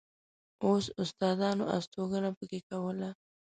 اوس استادانو استوګنه په کې کوله.